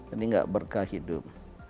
ini gak berkah hidup